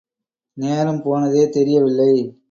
நேரம் போனதே தெரியவில்லை.